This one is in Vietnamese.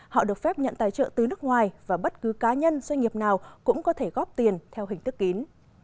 họ được phép nhận tài trợ từ nước ngoài và bất cứ cá nhân doanh nghiệp nào cũng có thể góp tiền theo hình thức kín